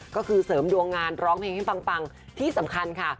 ก็คือเสริมดวงงานร้องเพลงให้ฟังที่สำคัญค่ะ